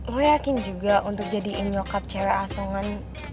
lo yakin juga untuk jadiin nyokap cewek asongan